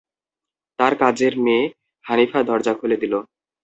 তাঁর কাজের মেয়ে হানিফা দরজা খুলে দিল।